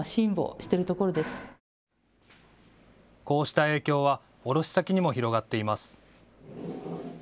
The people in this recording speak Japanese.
こうした影響は卸し先にも広がっています。